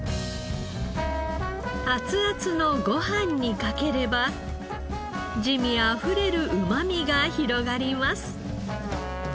熱々のご飯にかければ滋味あふれるうまみが広がります。